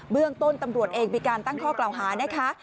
เรื่องต้นตำรวจเองมีการตั้งข้อกล่าวหานะคะ